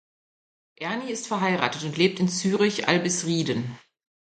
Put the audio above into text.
Erni ist verheiratet und lebt in Zürich Albisrieden.